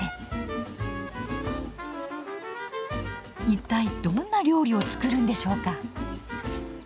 一体どんな料理を作るんでしょうか。